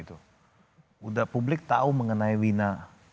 udah publik tau mengenai wina